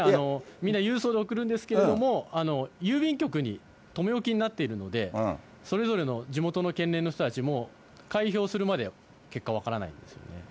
みんな郵送で送るんですけれども、郵便局に留め置きになっているので、それぞれの地元の県連の人たちも、開票するまで結果は分からないんですよね。